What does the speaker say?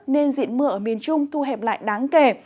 nên diện mưa ở miền trung thu hẹp lại đáng kể